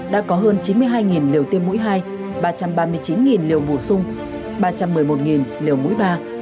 đã có hơn chín mươi hai liều tiêm mũi hai ba trăm ba mươi chín liều bổ sung ba trăm một mươi một liều mũi ba